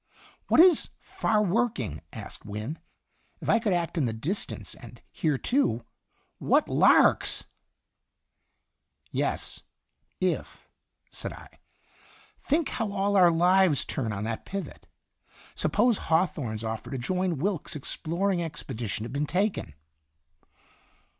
"What is 'far working?'" asked Wynne. " If 1 could act in the distance, and here too 1 what larks!"' "Yes ' if," said I. "Think how all our lives turn on that pivot. Suppose Hawthorne's offer to join Wilkes' exploring expedition had been taken!"